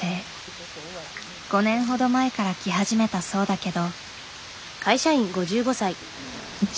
５年ほど前から来始めたそうだけど。